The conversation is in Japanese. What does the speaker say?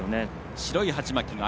白い鉢巻きが、綾。